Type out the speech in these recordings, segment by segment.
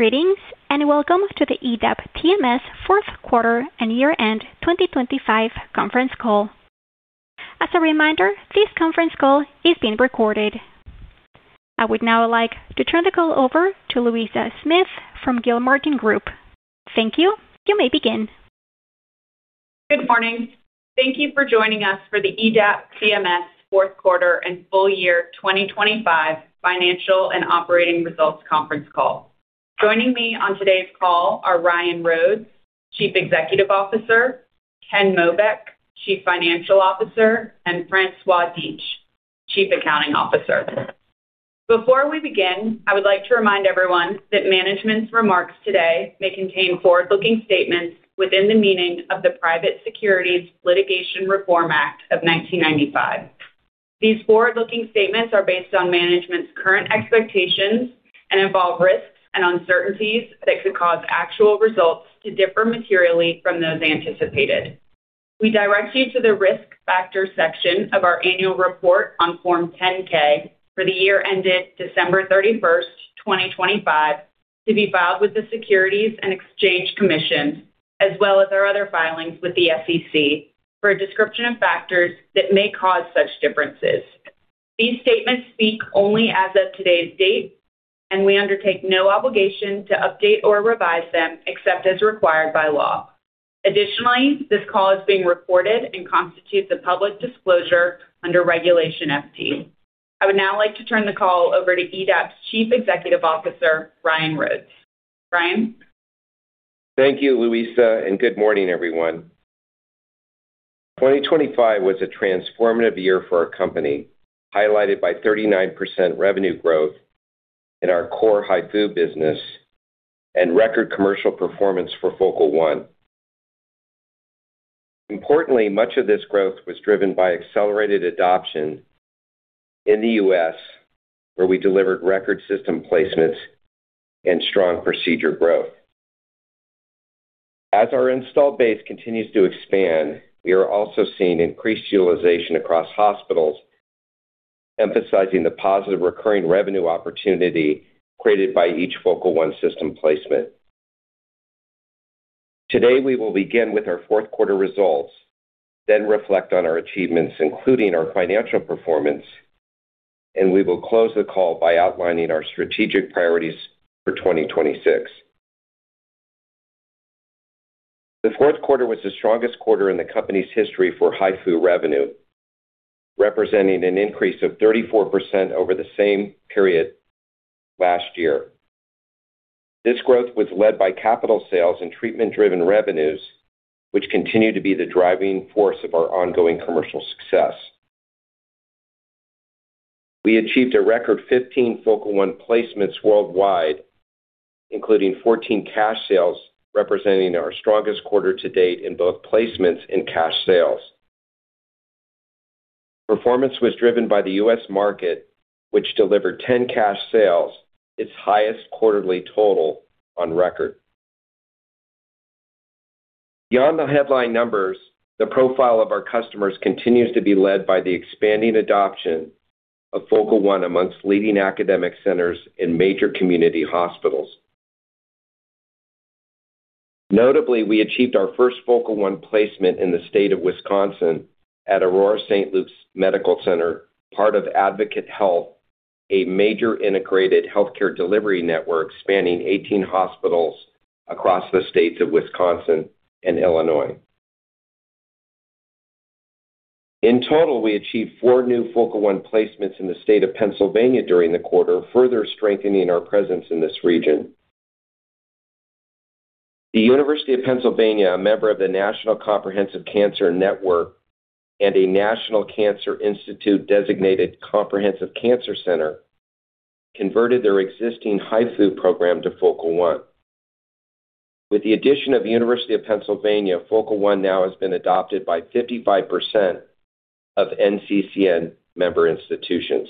Greetings, and welcome to the EDAP TMS fourth quarter and year-end 2025 conference call. As a reminder, this conference call is being recorded. I would now like to turn the call over to Louisa Smith from Gilmartin Group. Thank you. You may begin. Good morning. Thank you for joining us for the EDAP TMS fourth quarter and full year 2025 financial and operating results conference call. Joining me on today's call are Ryan Rhodes, Chief Executive Officer, Ken Mobeck, Chief Financial Officer, and François Dietsch, Chief Accounting Officer. Before we begin, I would like to remind everyone that management's remarks today may contain forward-looking statements within the meaning of the Private Securities Litigation Reform Act of 1995. These forward-looking statements are based on management's current expectations and involve risks and uncertainties that could cause actual results to differ materially from those anticipated. We direct you to the Risk Factors section of our annual report on Form 10-K for the year ended December 31, 2025, to be filed with the Securities and Exchange Commission, as well as our other filings with the SEC, for a description of factors that may cause such differences. These statements speak only as of today's date, and we undertake no obligation to update or revise them except as required by law. Additionally, this call is being recorded and constitutes a public disclosure under Regulation FD. I would now like to turn the call over to EDAP's Chief Executive Officer, Ryan Rhodes. Ryan. Thank you, Louisa, and good morning, everyone. 2025 was a transformative year for our company, highlighted by 39% revenue growth in our core HIFU business and record commercial performance for Focal One. Importantly, much of this growth was driven by accelerated adoption in the U.S., where we delivered record system placements and strong procedure growth. As our installed base continues to expand, we are also seeing increased utilization across hospitals, emphasizing the positive recurring revenue opportunity created by each Focal One system placement. Today, we will begin with our fourth quarter results, then reflect on our achievements, including our financial performance, and we will close the call by outlining our strategic priorities for 2026. The fourth quarter was the strongest quarter in the company's history for HIFU revenue, representing an increase of 34% over the same period last year. This growth was led by capital sales and treatment-driven revenues, which continue to be the driving force of our ongoing commercial success. We achieved a record 15 Focal One placements worldwide, including 14 cash sales, representing our strongest quarter to date in both placements and cash sales. Performance was driven by the U.S. market, which delivered 10 cash sales, its highest quarterly total on record. Beyond the headline numbers, the profile of our customers continues to be led by the expanding adoption of Focal One amongst leading academic centers in major community hospitals. Notably, we achieved our first Focal One placement in the state of Wisconsin at Aurora St. Luke's Medical Center, part of Advocate Health, a major integrated healthcare delivery network spanning 18 hospitals across the states of Wisconsin and Illinois. In total, we achieved four new Focal One placements in the state of Pennsylvania during the quarter, further strengthening our presence in this region. The University of Pennsylvania, a member of the National Comprehensive Cancer Network and a National Cancer Institute-designated comprehensive cancer center, converted their existing HIFU program to Focal One. With the addition of the University of Pennsylvania, Focal One now has been adopted by 55% of NCCN member institutions.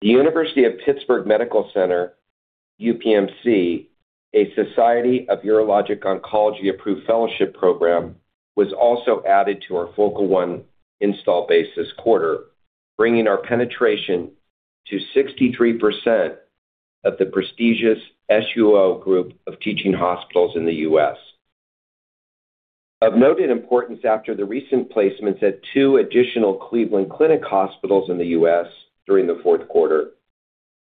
The University of Pittsburgh Medical Center, UPMC, a Society of Urologic Oncology-approved fellowship program, was also added to our Focal One installed base this quarter, bringing our penetration to 63% of the prestigious SUO group of teaching hospitals in the U.S. Of noted importance after the recent placements at two additional Cleveland Clinic hospitals in the U.S. during the fourth quarter,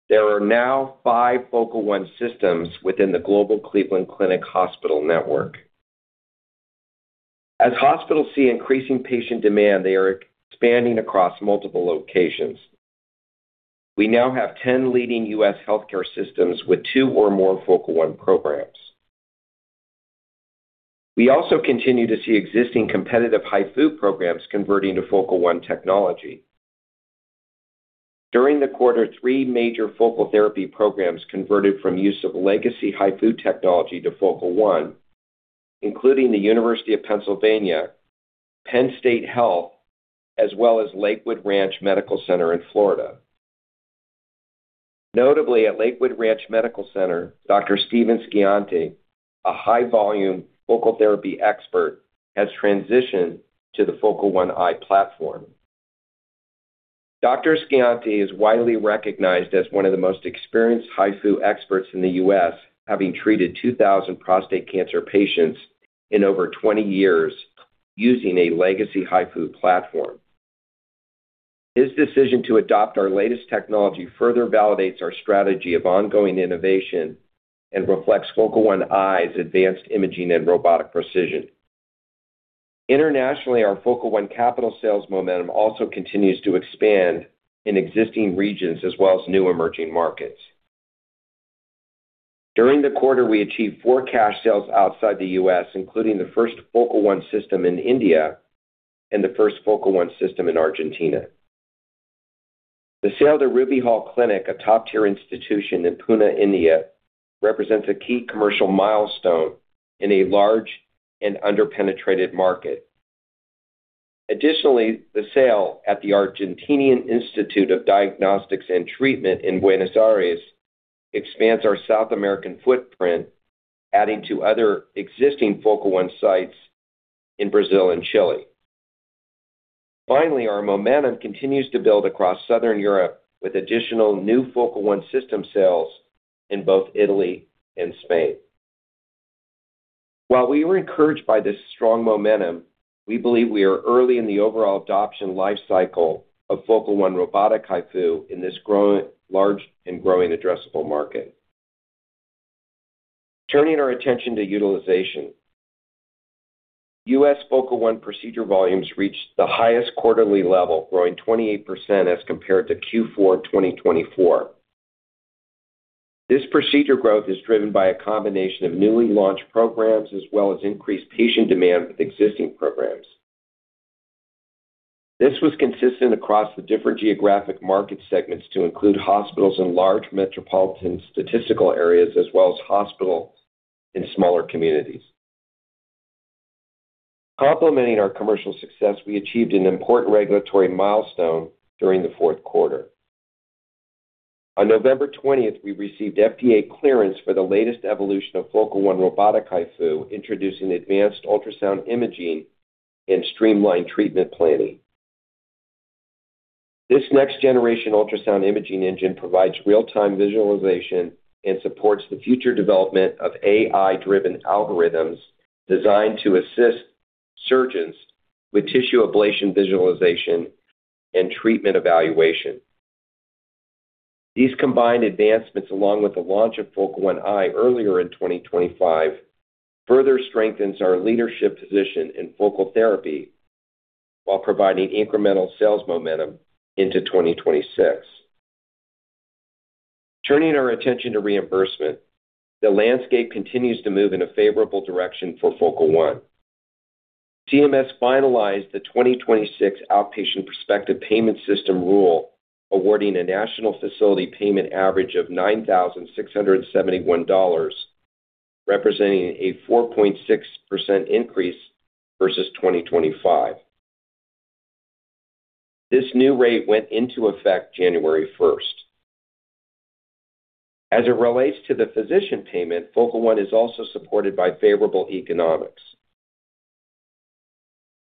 there are now five Focal One systems within the global Cleveland Clinic hospital network. As hospitals see increasing patient demand, they are expanding across multiple locations. We now have 10 leading U.S. healthcare systems with two or more Focal One programs. We also continue to see existing competitive HIFU programs converting to Focal One technology. During the quarter, three major focal therapy programs converted from use of legacy HIFU technology to Focal One, including the University of Pennsylvania, Penn State Health, as well as Lakewood Ranch Medical Center in Florida. Notably, at Lakewood Ranch Medical Center, Dr. Stephen Scionti, a high volume focal therapy expert, has transitioned to the Focal One Eye platform. Dr. Scionti is widely recognized as one of the most experienced HIFU experts in the U.S., having treated 2,000 prostate cancer patients in over 20 years using a legacy HIFU platform. His decision to adopt our latest technology further validates our strategy of ongoing innovation and reflects Focal One's advanced imaging and robotic precision. Internationally, our Focal One capital sales momentum also continues to expand in existing regions as well as new emerging markets. During the quarter, we achieved four cash sales outside the U.S., including the first Focal One system in India and the first Focal One system in Argentina. The sale to Ruby Hall Clinic, a top-tier institution in Pune, India, represents a key commercial milestone in a large and under-penetrated market. Additionally, the sale at the Argentine Institute of Diagnosis and Treatment in Buenos Aires expands our South American footprint, adding to other existing Focal One sites in Brazil and Chile. Finally, our momentum continues to build across Southern Europe with additional new Focal One system sales in both Italy and Spain. While we were encouraged by this strong momentum, we believe we are early in the overall adoption lifecycle of Focal One robotic HIFU in this growing, large and growing addressable market. Turning our attention to utilization, U.S. Focal One procedure volumes reached the highest quarterly level, growing 28% as compared to Q4 2024. This procedure growth is driven by a combination of newly launched programs as well as increased patient demand with existing programs. This was consistent across the different geographic market segments to include hospitals in large metropolitan statistical areas as well as hospitals in smaller communities. Complementing our commercial success, we achieved an important regulatory milestone during the fourth quarter. On November 20th, we received FDA clearance for the latest evolution of Focal One robotic HIFU, introducing advanced ultrasound imaging and streamlined treatment planning. This next-generation ultrasound imaging engine provides real-time visualization and supports the future development of AI-driven algorithms designed to assist surgeons with tissue ablation visualization and treatment evaluation. These combined advancements, along with the launch of Focal One Eye earlier in 2025, further strengthens our leadership position in focal therapy while providing incremental sales momentum into 2026. Turning our attention to reimbursement, the landscape continues to move in a favorable direction for Focal One. CMS finalized the 2026 Outpatient Prospective Payment System rule awarding a national facility payment average of $9,671, representing a 4.6% increase versus 2025. This new rate went into effect January 1st. As it relates to the physician payment, Focal One is also supported by favorable economics.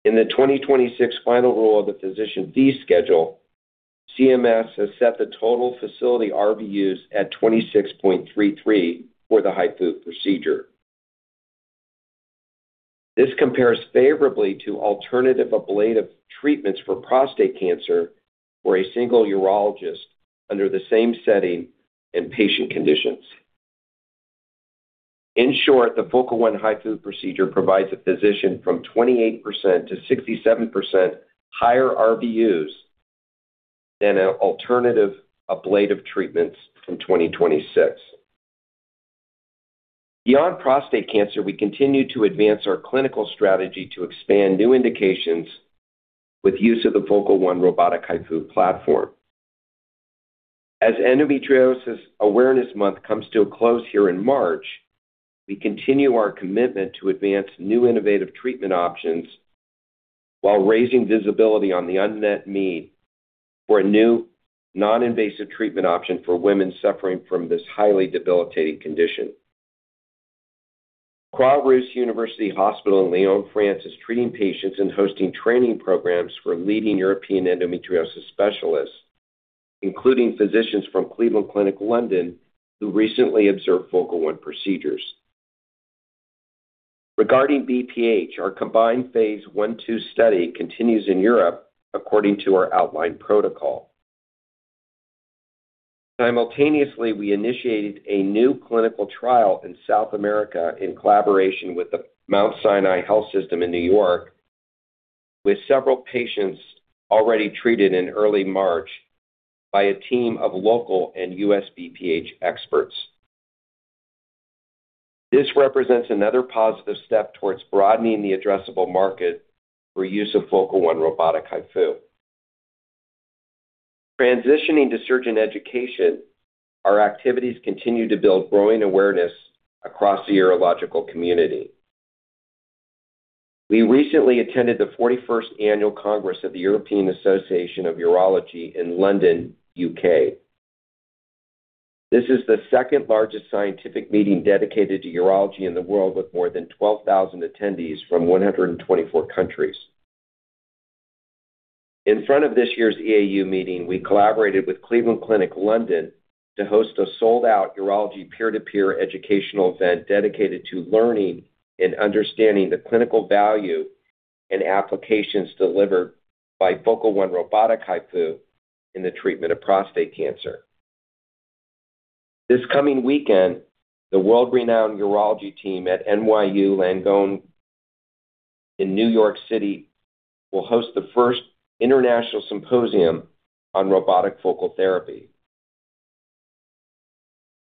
In the 2026 final rule of the Physician Fee Schedule, CMS has set the total facility RVUs at 26.33 for the HIFU procedure. This compares favorably to alternative ablative treatments for prostate cancer for a single urologist under the same setting and patient conditions. In short, the Focal One HIFU procedure provides a physician from 28% to 67% higher RVUs than alternative ablative treatments in 2026. Beyond prostate cancer, we continue to advance our clinical strategy to expand new indications with use of the Focal One robotic HIFU platform. As Endometriosis Awareness Month comes to a close here in March, we continue our commitment to advance new innovative treatment options while raising visibility on the unmet need for a new non-invasive treatment option for women suffering from this highly debilitating condition. [inaudible] University Hospital in Lyon, France is treating patients and hosting training programs for leading European endometriosis specialists, including physicians from Cleveland Clinic London who recently observed Focal One procedures. Regarding BPH, our combined phase I/II study continues in Europe according to our outlined protocol. Simultaneously, we initiated a new clinical trial in South America in collaboration with the Mount Sinai Health System in New York, with several patients already treated in early March by a team of local and U.S. BPH experts. This represents another positive step towards broadening the addressable market for use of Focal One robotic HIFU. Transitioning to surgeon education, our activities continue to build growing awareness across the urological community. We recently attended the 41st annual Congress of the European Association of Urology in London, U.K. This is the second-largest scientific meeting dedicated to urology in the world, with more than 12,000 attendees from 124 countries. In front of this year's EAU meeting, we collaborated with Cleveland Clinic London to host a sold-out urology peer-to-peer educational event dedicated to learning and understanding the clinical value and applications delivered by Focal One robotic HIFU in the treatment of prostate cancer. This coming weekend, the world-renowned urology team at NYU Langone in New York City will host the first international symposium on robotic focal therapy.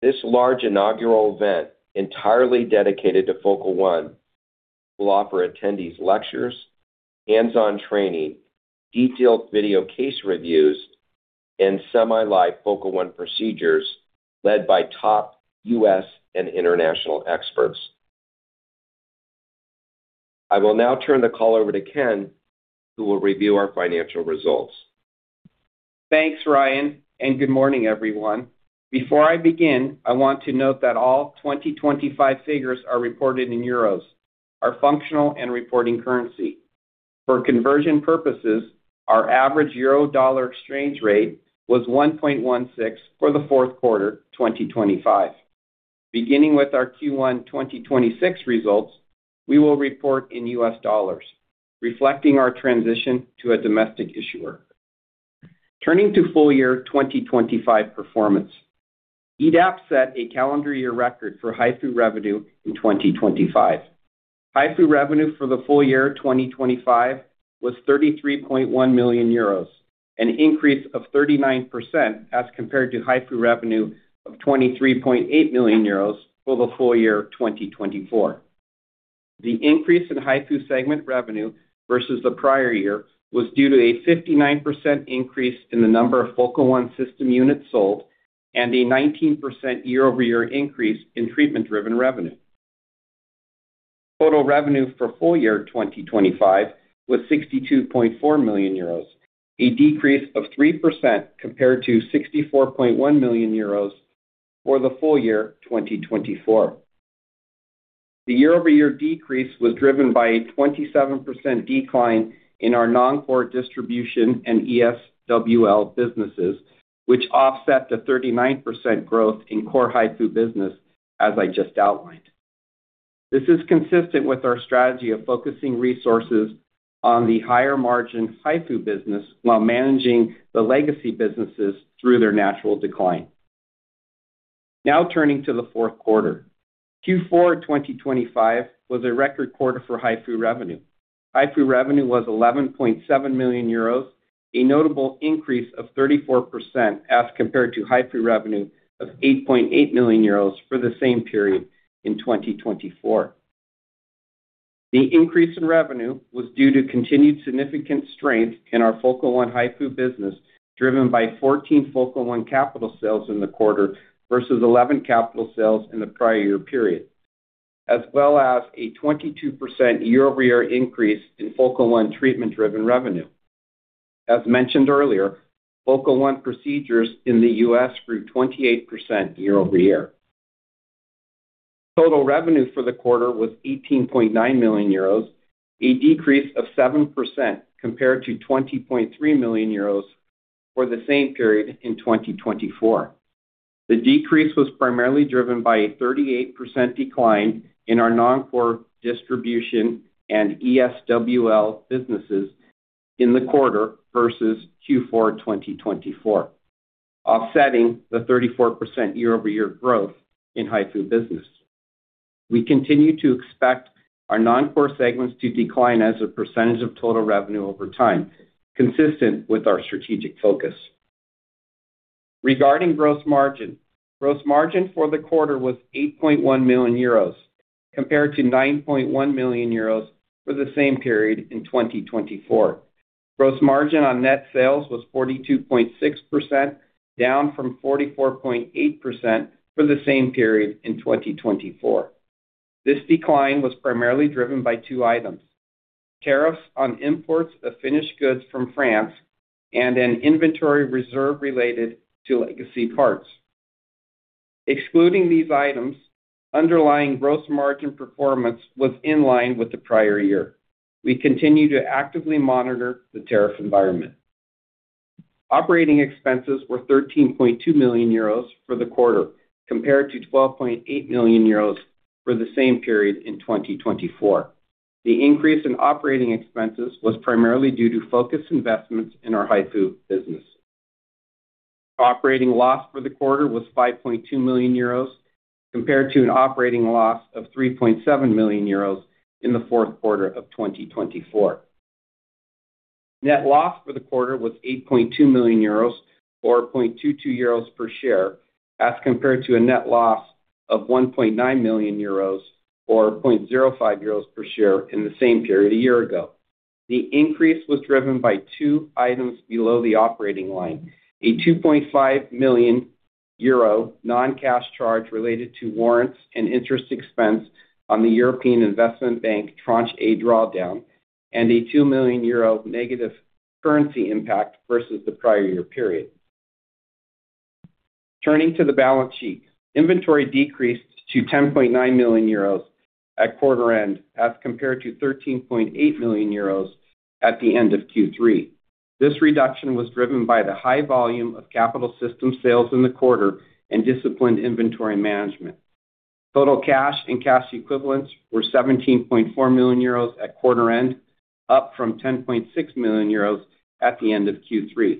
This large inaugural event, entirely dedicated to Focal One, will offer attendees lectures, hands-on training, detailed video case reviews, and semi-live Focal One procedures led by top U.S. and international experts. I will now turn the call over to Ken, who will review our financial results. Thanks, Ryan, and good morning, everyone. Before I begin, I want to note that all 2025 figures are reported in euros, our functional and reporting currency. For conversion purposes, our average euro-dollar exchange rate was 1.16 for the fourth quarter 2025. Beginning with our Q1 2026 results, we will report in U.S. dollars, reflecting our transition to a domestic issuer. Turning to full year 2025 performance. EDAP set a calendar year record for HIFU revenue in 2025. HIFU revenue for the full year 2025 was 33.1 million euros, an increase of 39% as compared to HIFU revenue of 23.8 million euros for the full year 2024. The increase in HIFU segment revenue versus the prior year was due to a 59% increase in the number of Focal One system units sold and a 19% year-over-year increase in treatment-driven revenue. Total revenue for full year 2025 was 62.4 million euros, a decrease of 3% compared to 64.1 million euros for the full year 2024. The year-over-year decrease was driven by a 27% decline in our non-core distribution and ESWL businesses, which offset the 39% growth in core HIFU business, as I just outlined. This is consistent with our strategy of focusing resources on the higher-margin HIFU business while managing the legacy businesses through their natural decline. Now turning to the fourth quarter. Q4 2025 was a record quarter for HIFU revenue. HIFU revenue was 11.7 million euros, a notable increase of 34% as compared to HIFU revenue of 8.8 million euros for the same period in 2024. The increase in revenue was due to continued significant strength in our Focal One HIFU business, driven by 14 Focal One capital sales in the quarter versus 11 capital sales in the prior year period, as well as a 22% year-over-year increase in Focal One treatment-driven revenue. As mentioned earlier, Focal One procedures in the U.S. grew 28% year-over-year. Total revenue for the quarter was 18.9 million euros, a decrease of 7% compared to 20.3 million euros for the same period in 2024. The decrease was primarily driven by a 38% decline in our non-core distribution and ESWL businesses in the quarter versus Q4 2024, offsetting the 34% year-over-year growth in HIFU business. We continue to expect our non-core segments to decline as a percentage of total revenue over time, consistent with our strategic focus. Regarding gross margin, gross margin for the quarter was 8.1 million euros compared to 9.1 million euros for the same period in 2024. Gross margin on net sales was 42.6%, down from 44.8% for the same period in 2024. This decline was primarily driven by two items, tariffs on imports of finished goods from France and an inventory reserve related to legacy parts. Excluding these items, underlying gross margin performance was in line with the prior year. We continue to actively monitor the tariff environment. Operating expenses were 13.2 million euros for the quarter, compared to 12.8 million euros for the same period in 2024. The increase in operating expenses was primarily due to focused investments in our HIFU business. Operating loss for the quarter was 5.2 million euros compared to an operating loss of 3.7 million euros in the fourth quarter of 2024. Net loss for the quarter was 8.2 million euros or 0.22 euros per share as compared to a net loss of 1.9 million euros or 0.05 euros per share in the same period a year ago. The increase was driven by two items below the operating line. A 2.5 million euro non-cash charge related to warrants and interest expense on the European Investment Bank Tranche A drawdown, and a 2 million euro negative currency impact versus the prior year period. Turning to the balance sheet. Inventory decreased to 10.9 million euros at quarter end as compared to 13.8 million euros at the end of Q3. This reduction was driven by the high volume of capital system sales in the quarter and disciplined inventory management. Total cash and cash equivalents were 17.4 million euros at quarter end, up from 10.6 million euros at the end of Q3,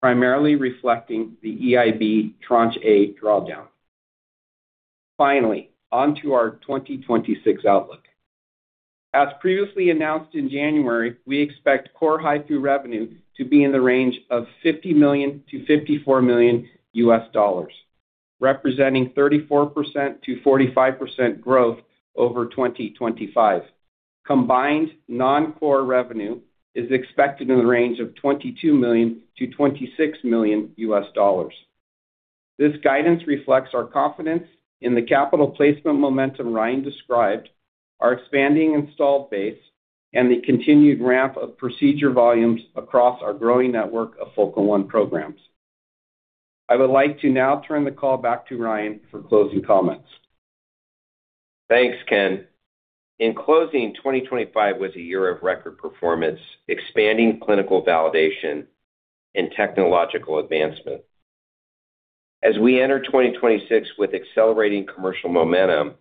primarily reflecting the EIB Tranche A drawdown. Finally, on to our 2026 outlook. As previously announced in January, we expect core high fee revenue to be in the range of $50 million-$54 million, representing 34%-45% growth over 2025. Combined non-core revenue is expected in the range of $22 million-$26 million. This guidance reflects our confidence in the capital placement momentum Ryan described, our expanding installed base, and the continued ramp of procedure volumes across our growing network of Focal One programs. I would like to now turn the call back to Ryan for closing comments. Thanks, Ken. In closing, 2025 was a year of record performance, expanding clinical validation and technological advancement. As we enter 2026 with accelerating commercial momentum,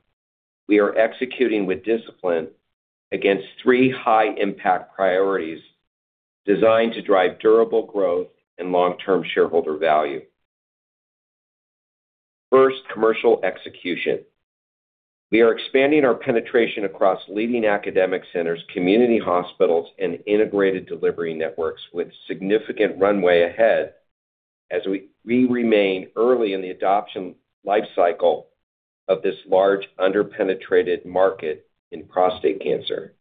we are executing with discipline against three high impact priorities designed to drive durable growth and long-term shareholder value. First, commercial execution. We are expanding our penetration across leading academic centers, community hospitals, and integrated delivery networks with significant runway ahead as we remain early in the adoption lifecycle of this large under-penetrated market in prostate cancer.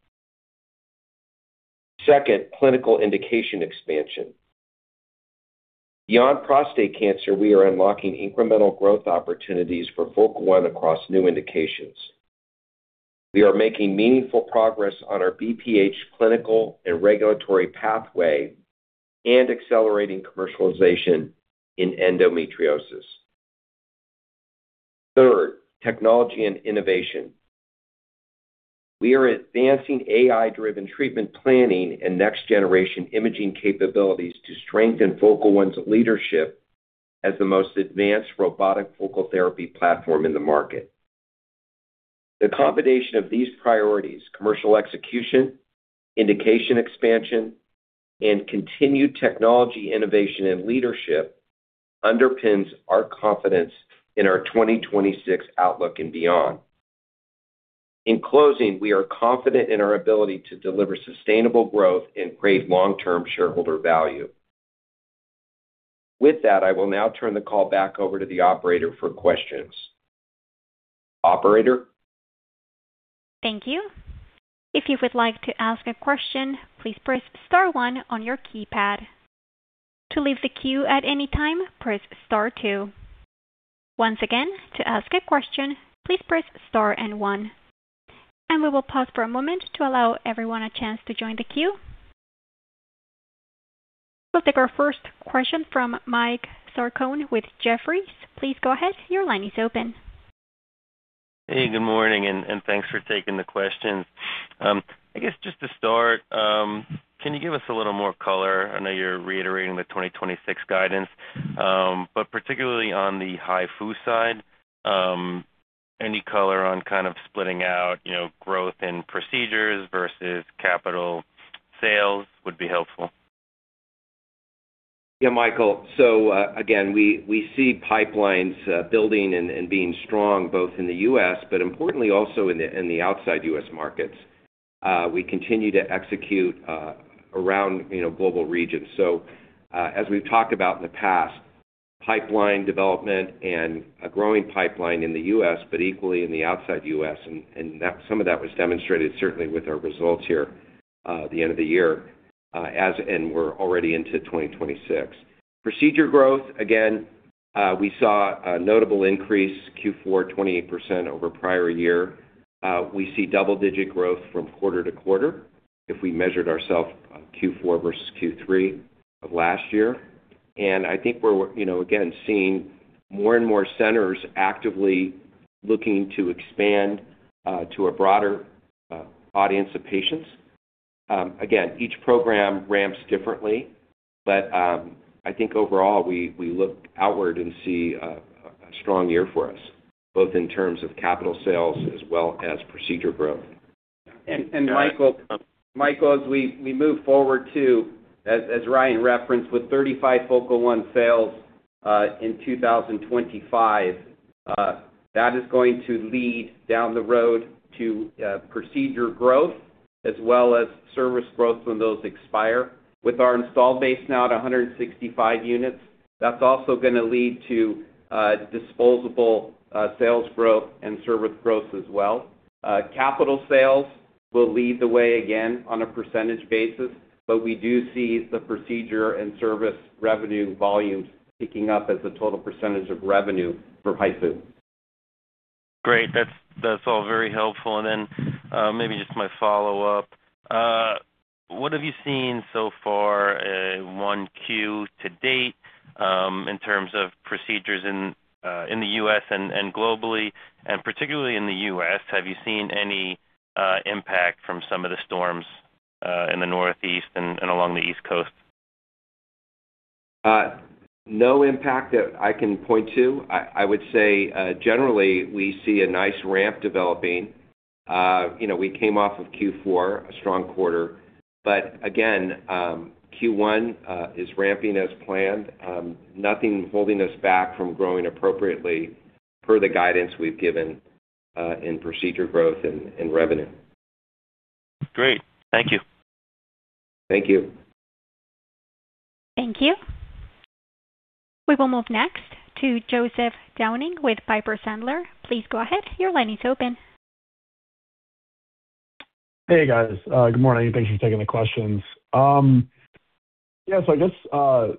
Second, clinical indication expansion. Beyond prostate cancer, we are unlocking incremental growth opportunities for Focal One across new indications. We are making meaningful progress on our BPH clinical and regulatory pathway and accelerating commercialization in endometriosis. Third, technology and innovation. We are advancing AI-driven treatment planning and next generation imaging capabilities to strengthen Focal One's leadership as the most advanced robotic focal therapy platform in the market. The combination of these priorities, commercial execution, indication expansion, and continued technology innovation and leadership underpins our confidence in our 2026 outlook and beyond. In closing, we are confident in our ability to deliver sustainable growth and create long-term shareholder value. With that, I will now turn the call back over to the operator for questions. Operator? Thank you. If you would like to ask a question please press star one on your keypad. To leave the queue at any time, press star two. Once again to ask a question please press star and one. And we will pause for a moment to allow everyone a chance to join the queue. We'll take our first question from Michael Sarcone with Jefferies. Please go ahead. Your line is open. Hey, good morning, and thanks for taking the questions. I guess just to start, can you give us a little more color? I know you're reiterating the 2026 guidance, but particularly on the HIFU side, any color on kind of splitting out, you know, growth in procedures versus capital sales would be helpful. Yeah, Michael. Again, we see pipelines building and being strong both in the U.S., but importantly also in the outside U.S. markets. We continue to execute around, you know, global regions. As we've talked about in the past, pipeline development and a growing pipeline in the U.S., but equally in the outside U.S. and that some of that was demonstrated certainly with our results here at the end of the year, as we're already into 2026. Procedure growth, again, we saw a notable increase, Q4 28% over prior year. We see double-digit growth from quarter to quarter if we measured ourselves Q4 versus Q3 of last year. I think we're, you know, again, seeing more and more centers actively looking to expand to a broader audience of patients. Again, each program ramps differently. I think overall, we look outward and see a strong year for us, both in terms of capital sales as well as procedure growth. Michael, as we move forward too, as Ryan referenced, with 35 Focal One sales in 2025, that is going to lead down the road to procedure growth as well as service growth when those expire. With our installed base now at 165 units, that's also gonna lead to disposable sales growth and service growth as well. Capital sales will lead the way again on a percentage basis, but we do see the procedure and service revenue volumes picking up as a total percentage of revenue for HIFU. Great. That's all very helpful. Maybe just my follow-up. What have you seen so far in 1Q to date, in terms of procedures in the U.S. and globally, and particularly in the U.S., have you seen any impact from some of the storms in the Northeast and along the East Coast? No impact that I can point to. I would say generally, we see a nice ramp developing. You know, we came off of Q4, a strong quarter, but again, Q1 is ramping as planned. Nothing holding us back from growing appropriately per the guidance we've given in procedure growth and revenue. Great. Thank you. Thank you. Thank you. We will move next to Joseph Downing with Piper Sandler. Please go ahead. Your line is open. Hey, guys. Good morning. Thanks for taking the questions. Yeah, so I guess,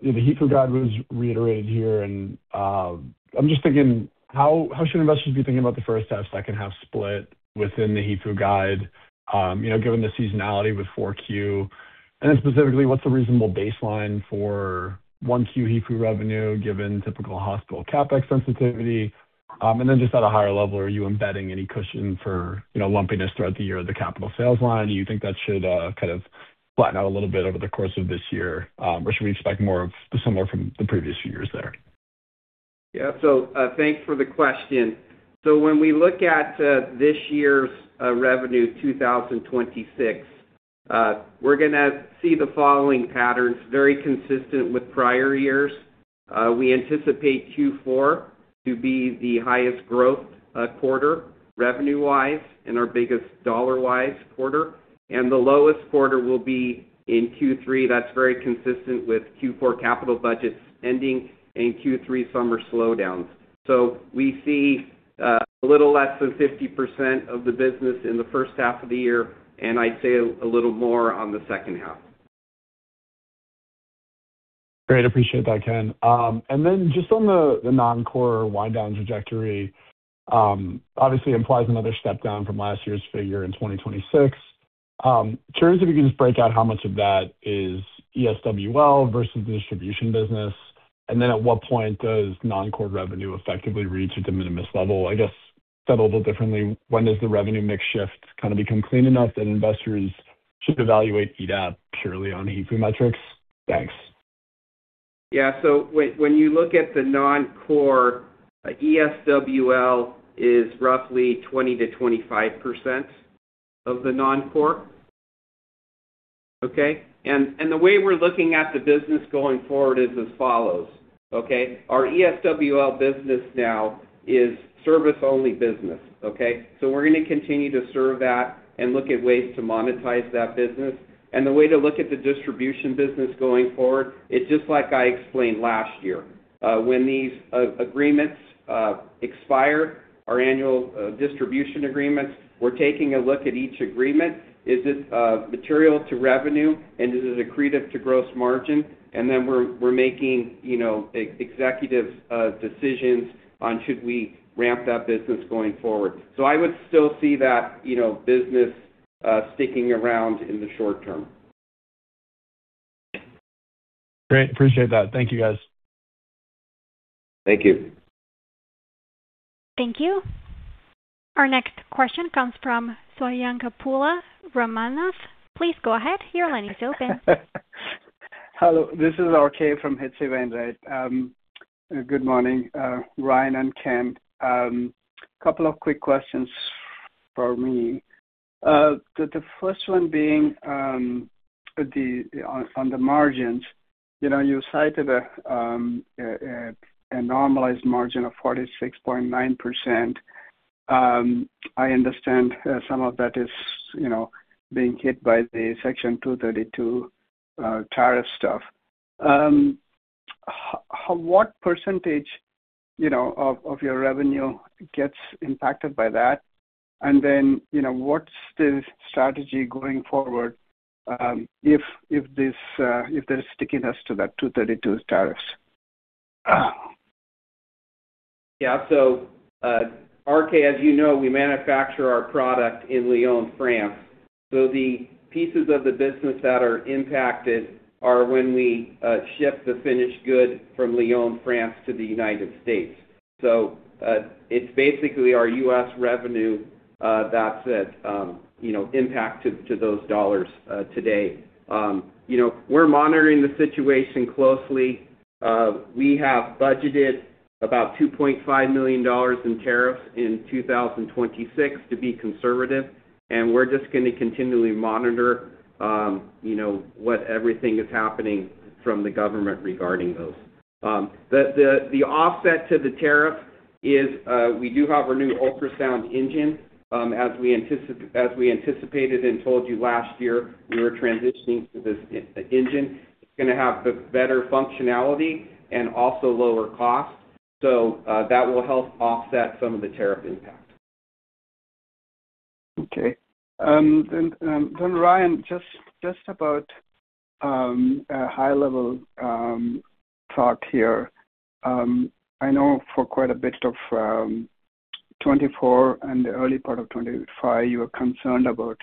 the HIFU guide was reiterated here and, I'm just thinking, how should investors be thinking about the first half, second half split within the HIFU guide, you know, given the seasonality with 4Q? And then specifically, what's the reasonable baseline for 1Q HIFU revenue given typical hospital CapEx sensitivity? And then just at a higher level, are you embedding any cushion for, you know, lumpiness throughout the year of the capital sales line? Do you think that should kind of flatten out a little bit over the course of this year? Or should we expect more of similar from the previous years there? Yeah. Thanks for the question. When we look at this year's revenue, 2026, we're gonna see the following patterns, very consistent with prior years. We anticipate Q4 to be the highest growth quarter revenue-wise and our biggest dollar-wise quarter. The lowest quarter will be in Q3. That's very consistent with Q4 capital budgets ending in Q3 summer slowdowns. We see a little less than 50% of the business in the first half of the year, and I'd say a little more on the second half. Great. Appreciate that, Ken. Just on the non-core wind down trajectory, obviously implies another step down from last year's figure in 2026. Curious if you can just break out how much of that is ESWL versus the distribution business. At what point does non-core revenue effectively reach the de minimis level? I guess, said a little differently, when does the revenue mix shift kinda become clean enough that investors should evaluate EDAP purely on HIFU metrics? Thanks. When you look at the non-core, ESWL is roughly 20%-25% of the non-core. The way we're looking at the business going forward is as follows. Our ESWL business now is service-only business. We're gonna continue to serve that and look at ways to monetize that business. The way to look at the distribution business going forward, it's just like I explained last year. When these agreements expire, our annual distribution agreements, we're taking a look at each agreement. Is this material to revenue, and is it accretive to gross margin? Then we're making, you know, executive decisions on should we ramp that business going forward. I would still see that, you know, business sticking around in the short term. Great. Appreciate that. Thank you, guys. Thank you. Thank you. Our next question comes from Swayampakula Ramakanth, [Romanas]. Please go ahead. Your line is open. Hello, this is RK from H.C. Wainwright, right. Good morning, Ryan and Ken. Couple of quick questions for me. The first one being on the margins. You know, you cited a normalized margin of 46.9%. I understand some of that is, you know, being hit by the Section 232 tariff stuff. What percentage, you know, of your revenue gets impacted by that? And then, you know, what's the strategy going forward if they're sticking us to that 232 tariffs? Yeah. RK, as you know, we manufacture our product in Lyon, France. The pieces of the business that are impacted are when we ship the finished good from Lyon, France to the United States. It's basically our U.S. revenue, you know, impacted to those dollars today. You know, we're monitoring the situation closely. We have budgeted about $2.5 million in tariffs in 2026 to be conservative, and we're just gonna continually monitor, you know, what everything is happening from the government regarding those. The offset to the tariff is, we do have our new ultrasound engine. As we anticipated and told you last year, we were transitioning to this engine. It's gonna have the better functionality and also lower cost. That will help offset some of the tariff impact. Okay. Ryan, just about a high level thought here. I know for quite a bit of 2024 and the early part of 2025, you were concerned about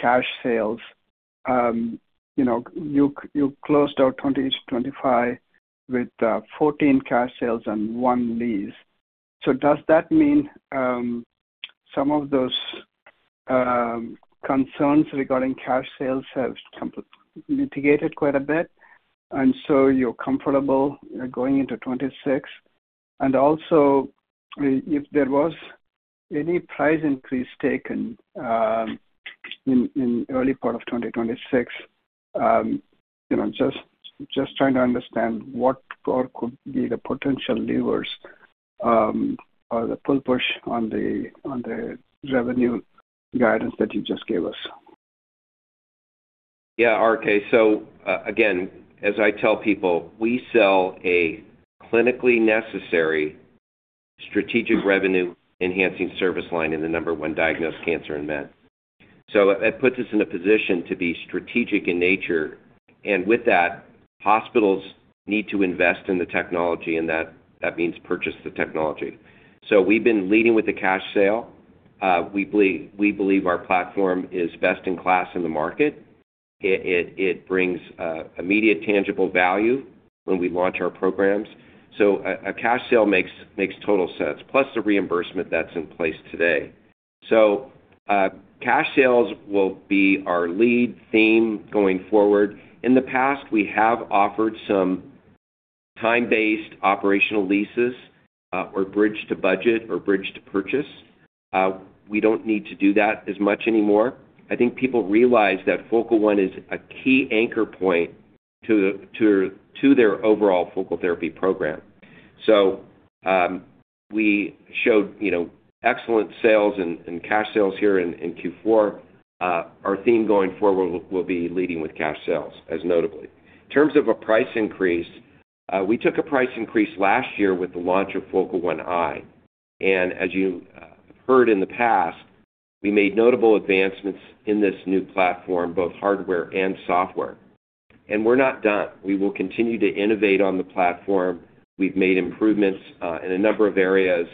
cash sales. You know, you closed out 2025 with 14 cash sales and one lease. Does that mean some of those concerns regarding cash sales have mitigated quite a bit, and so you're comfortable going into 2026? Also if there was any price increase taken in early part of 2026, you know, just trying to understand what or could be the potential levers or the pull push on the revenue guidance that you just gave us. RK, again, as I tell people, we sell a clinically necessary strategic revenue-enhancing service line in the number 1 diagnosed cancer in men. That puts us in a position to be strategic in nature. With that, hospitals need to invest in the technology, and that means purchase the technology. We've been leading with the cash sale. We believe our platform is best in class in the market. It brings immediate tangible value when we launch our programs. A cash sale makes total sense, plus the reimbursement that's in place today. Cash sales will be our lead theme going forward. In the past, we have offered some time-based operational leases, or bridge to budget or bridge to purchase. We don't need to do that as much anymore. I think people realize that Focal One is a key anchor point to their overall focal therapy program. We showed, you know, excellent sales and cash sales here in Q4. Our theme going forward will be leading with cash sales as notably. In terms of a price increase, we took a price increase last year with the launch of Focal One I. As you heard in the past, we made notable advancements in this new platform, both hardware and software. We're not done. We will continue to innovate on the platform. We've made improvements in a number of areas,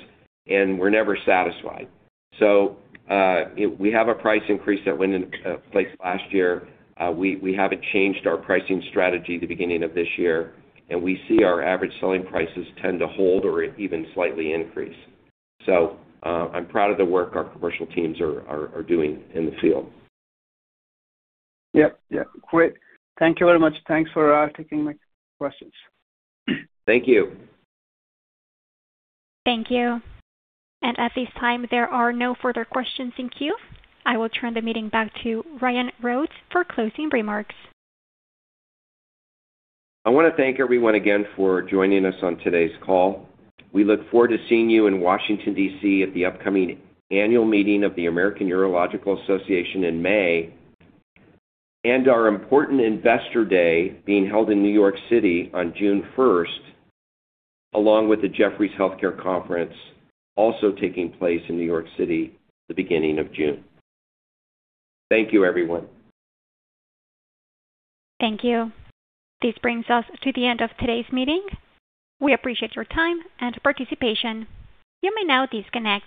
and we're never satisfied. We have a price increase that went in place last year. We haven't changed our pricing strategy at the beginning of this year, and we see our average selling prices tend to hold or even slightly increase. I'm proud of the work our commercial teams are doing in the field. Yep. Yeah. Great. Thank you very much. Thanks for taking my questions. Thank you. Thank you. At this time, there are no further questions in queue. I will turn the meeting back to Ryan Rhodes for closing remarks. I wanna thank everyone again for joining us on today's call. We look forward to seeing you in Washington, D.C., at the upcoming annual meeting of the American Urological Association in May, and our important Investor Day being held in New York City on June 1st, along with the Jefferies Healthcare Conference also taking place in New York City the beginning of June. Thank you, everyone. Thank you. This brings us to the end of today's meeting. We appreciate your time and participation. You may now disconnect.